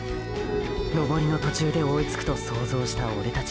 登りの途中で追いつくと想像したオレたち。